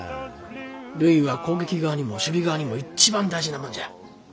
塁は攻撃側にも守備側にも一番大事なもんじゃ。